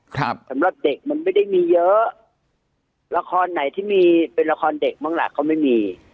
สำหรับเด็กมันไม่ได้มีเยอะละครไหนที่มีเป็นละครเด็กบ้างล่ะเขาไม่มี